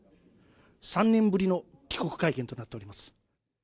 ３年ぶりの帰国会見となっております。